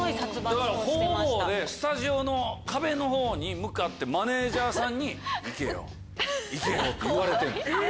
だから方々でスタジオの壁のほうに向かってマネジャーさんに行けよ行けよって言われてんの。え！